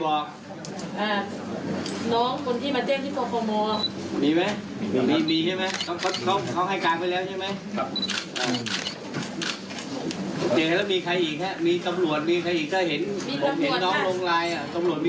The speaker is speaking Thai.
ก็คนปัจจุบันคนปัจจุบันนะผู้ว่าระการจังหวัดคนปัจจุบันนะ